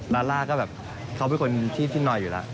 ลาล่าก็แบบเขาเป็นคนที่นอยอยู่แล้ว